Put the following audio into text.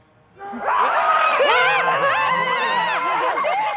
「うわ！」